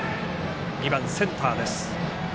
２番センターです。